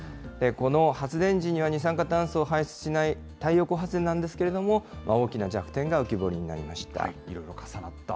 この発電時には二酸化炭素を排出しない太陽光発電なんですけれども、大きな弱点が浮き彫りになりました。